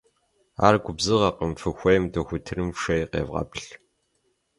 Ар губзыгъэкъым, фыхуейм дохутырым фшэи къевгъэплъ.